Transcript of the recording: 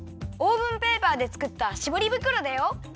オーブンペーパーでつくったしぼり袋だよ。